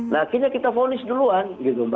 nah akhirnya kita fonis duluan